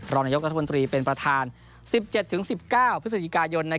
รนรัฐบันตรีเป็นประธาน๑๗๑๙พฤศจิกายน